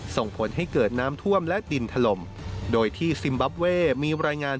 ส่งผลให้เกิดน้ำท่วมและดินถล่มโดยที่ซิมบับเว่มีรายงาน